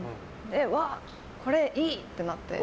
これ、いい！ってなって。